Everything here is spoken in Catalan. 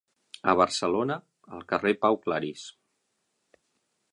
A Barcelona, al carrer Pau Clarís.